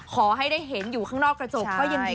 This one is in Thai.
ขอให้ได้เห็นอยู่ข้างนอกกระจกก็ยังดี